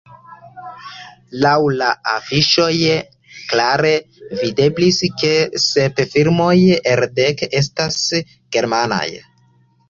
Laŭ la afiŝoj klare videblis, ke sep filmoj el dek estas germanaj.